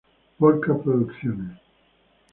Pol-Ka Producciones.